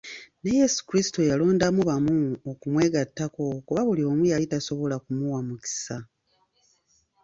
Ne Yesu Kristo yalondamu bamu okumwegattako kuba buli omu yali tasobola kumuwa mukisa.